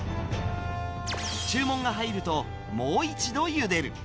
注文が入ると、もう一度ゆでる。